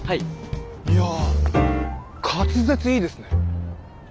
いや滑舌いいですね。